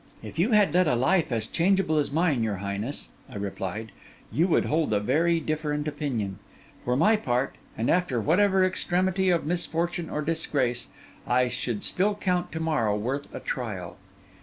'If you had led a life as changeable as mine, your highness,' I replied, 'you would hold a very different opinion. For my part, and after whatever extremity of misfortune or disgrace, I should still count to morrow worth a trial.